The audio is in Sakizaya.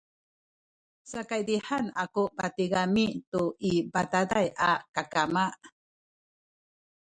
sakaydihan kaku patigami tu i bataday a kakama